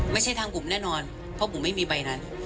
ไม่ใช่ทางผมแน่นอนเพราะผมไม่มีใบนั้น